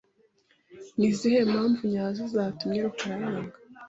Ni izihe mpamvu nyazo zatumye rukarayanga?